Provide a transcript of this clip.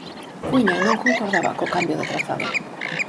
Cuíña non concordaba co cambio de trazado.